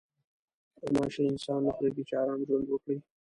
غوماشې انسان نه پرېږدي چې ارام ژوند وکړي.